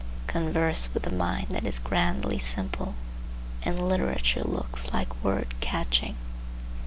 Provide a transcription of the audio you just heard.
Converse with a mind that is grandly simple, and literature looks like word catching.